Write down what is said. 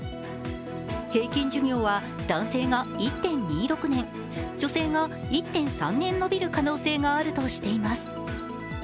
平均寿命は男性が１．２６年、女性が１．３年延びる可能性があるとしています。